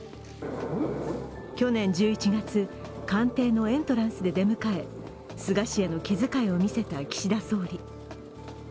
去年１１月、官邸のエントランスで出迎え、菅氏への気遣いを見せた岸田総理。